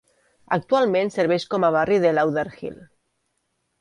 Actualment serveix com a barri de Lauderhill.